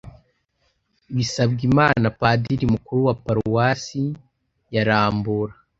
bisabwimana padiri mukuru wa paruwasi ya rambura